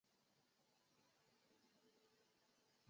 毕业后到英国布里斯托大学学习文学及戏剧。